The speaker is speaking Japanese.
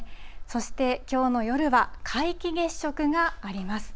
そして、きょうの夜は、皆既月食があります。